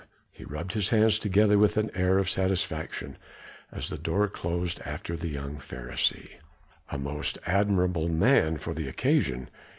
He rubbed his hands together with an air of satisfaction as the door closed after the young Pharisee. "A most admirable man for the occasion!"